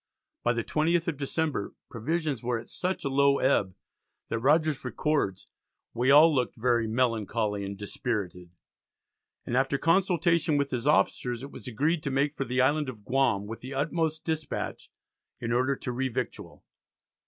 By the 20th of December provisions were at such a low ebb that Rogers records "we all looked very melancholy and dispirited," and after consultation with his officers it was agreed to make for the Island of Guam "with the utmost dispatch" in order to revictual.